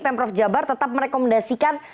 pemprov jabar tetap merekomendasikan